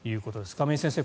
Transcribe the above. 亀井先生